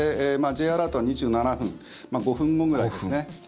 Ｊアラートは２７分５分後ぐらいですね。